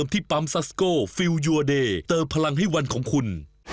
ตายอย่างหยุด